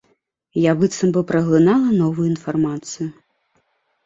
Я быццам бы праглынала новую інфармацыю.